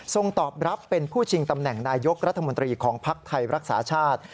ตอบรับเป็นผู้ชิงตำแหน่งนายยกรัฐมนตรีของภักดิ์ไทยรักษาชาติ